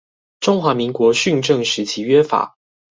中華民國訓政時期約法